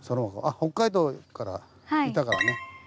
あっ北海道からいたからね。